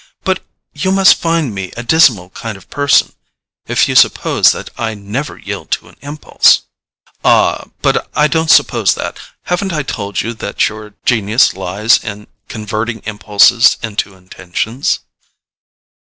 But you must find me a dismal kind of person if you suppose that I never yield to an impulse." "Ah, but I don't suppose that: haven't I told you that your genius lies in converting impulses into intentions?"